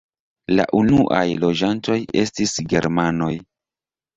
La unuaj loĝantoj estis germanoj.